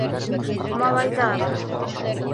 Малайҙар: